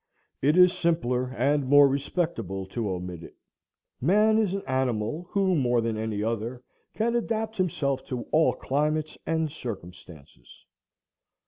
It is simpler and more respectable to omit it. Man is an animal who more than any other can adapt himself to all climates and circumstances.